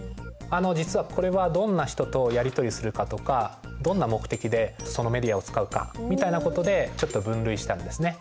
あの実はこれはどんな人とやりとりをするかとかどんな目的でそのメディアを使うかみたいなことでちょっと分類したんですね。